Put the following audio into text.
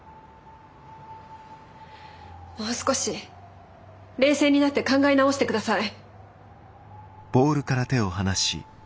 もう少し冷静になって考え直してください。